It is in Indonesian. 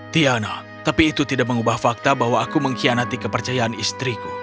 tiana tapi itu tidak mengubah fakta bahwa aku mengkhianati kepercayaan istriku